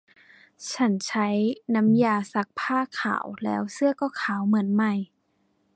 ฉันใช้น้ำยาซักผ้าขาว แล้วเสื้อก็ขาวเหมือนใหม่